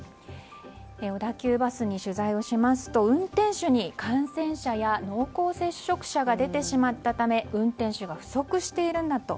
小田急バスに取材をしますと運転手に感染者や濃厚接触者が出てしまったため運転手が不足しているんだと。